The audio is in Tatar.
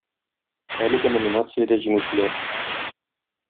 Әлеге номинациядә җиңүчеләр